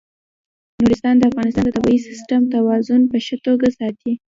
نورستان د افغانستان د طبعي سیسټم توازن په ښه توګه ساتي.